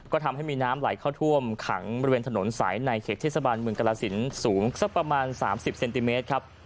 ก็ทำให้มีน้ำไหลเข้าท่วมขังบริเวณถนนสายในเขตเทศบาลเมืองกรสินสูงสักประมาณ๓๐เซนติเมตรครับ